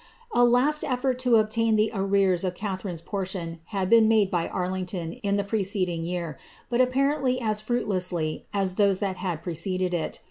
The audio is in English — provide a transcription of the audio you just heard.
A last efibrt to obtain the arrears of Catharine's portion ha made by Arlington in the preceding year, but apparently as fm as those that had preceded it.